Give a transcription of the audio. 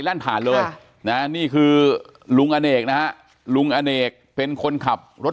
แล่นผ่านเลยนะนี่คือลุงอเนกนะฮะลุงอเนกเป็นคนขับรถ